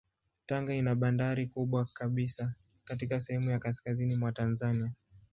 Tanga ina bandari kubwa kabisa katika sehemu ya kaskazini mwa Tanzania.